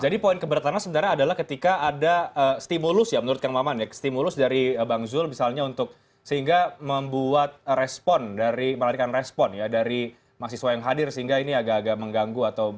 jadi poin keberatan sebenarnya adalah ketika ada stimulus ya menurut kang maman ya stimulus dari bang zul misalnya untuk sehingga membuat respon dari melarikan respon ya dari mahasiswa yang hadir sehingga ini agak agak mengganggu atau